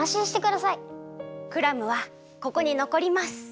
クラムはここにのこります。